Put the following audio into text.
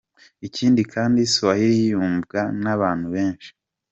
Ikindi kandi Swahili yumvwa nabantu benshi.